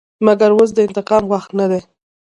مګر اوس د انتقام وخت نه دى.